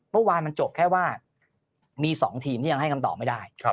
เมื่อวานมันจบแค่ว่ามี๒ทีมที่ยังให้คำตอบไม่ได้